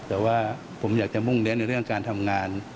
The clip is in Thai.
แต่ว่าผมอยากจะมุ่งเน้นในเรื่องการทำงาน